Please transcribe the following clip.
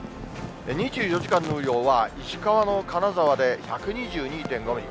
２４時間の雨量は、石川の金沢で１２２．５ミリ。